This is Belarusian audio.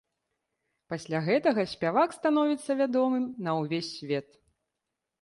Пасля гэтага спявак становіцца вядомым на ўвесь свет.